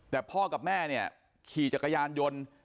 แต่พ่อกับแม่เนี่ยขี่จักรยานยนต์